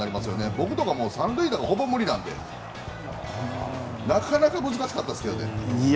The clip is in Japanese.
僕とか三塁打はほぼ無理なのでなかなか難しかったですけど。